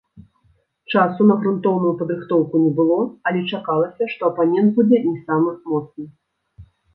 Часу на грунтоўную падрыхтоўку не было, але чакалася, што апанент будзе не самы моцны.